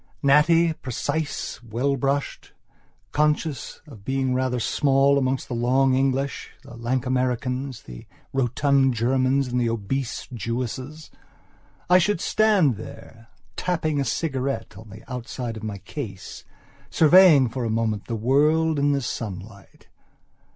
Natty, precise, well brushed, conscious of being rather small amongst the long English, the lank Americans, the rotund Germans, and the obese Russian Jewesses, I should stand there, tapping a cigarette on the outside of my case, surveying for a moment the world in the sunlight.